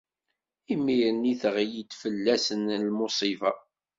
Imir-nni teɣli-d fell-asen lmuṣiba.